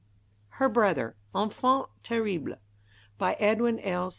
HER BROTHER: ENFANT TERRIBLE BY EDWIN L.